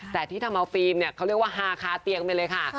แต่ที่ทำเอาฟิล์มเนี่ยเขาเรียกว่าฮาคาเตียงไปเลยค่ะ